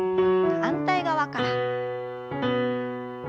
反対側から。